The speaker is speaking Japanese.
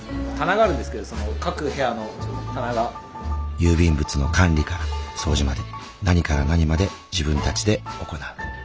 郵便物の管理から掃除まで何から何まで自分たちで行う。